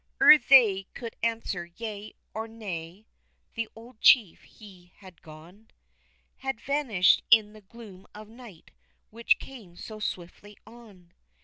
Ere they could answer yea or nay, the old chief he had gone, Had vanished in the gloom of night which came so swiftly on.